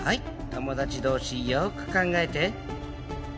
友達同士よく考えて。